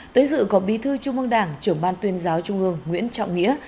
tới dự có bi thư trung mương đảng trưởng ban tuyên giáo trung ương nguyễn trọng nghĩa